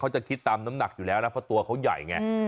จะคิดตามน้ำหนักอยู่แล้วนะเพราะตัวเขาใหญ่ไง